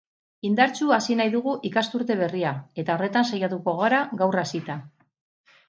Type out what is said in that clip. Indartsu hasi nahi dugu ikasturte berria eta horretan saiatuko gara gaur hasita.